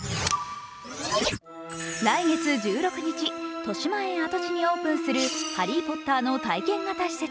来月１６日としまえん跡地にオープンする「ハリー・ポッター」の体験型施設